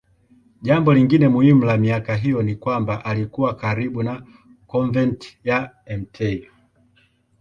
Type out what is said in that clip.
Jambo lingine muhimu la miaka hiyo ni kwamba alikuwa karibu na konventi ya Mt.